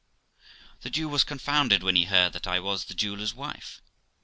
The Jew was confounded when he heard that I was the jeweller's wife.